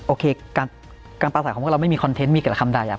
โอเคการประสาทของเราไม่มีคอนเทนต์มีแต่คำดาย